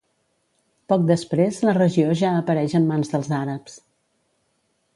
Poc després la regió ja apareix en mans dels àrabs.